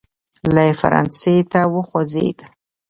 لی فرانسې ته وخوځېد.